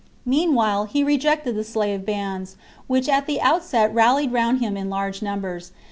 Meanwhile he rejected the slave bands, which at the outset rallied round him in large numbers.